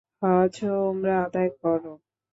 হজ্জ ও উমরা আদায় কর।